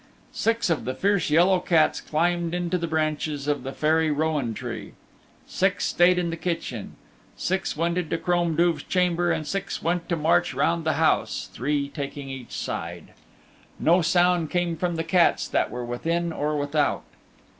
Six of the fierce yellow cats climbed into the branches of the Fairy Rowan Tree; six stayed in the kitchen; six went into Crom Duv's chamber, and six went to march round the house, three taking each side. No sound came from the cats that were within or without.